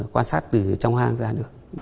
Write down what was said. quan sát từ trong hang ra được